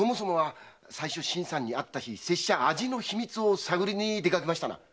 最初新さんに会った日拙者は味の秘密を探りに出かけましたな？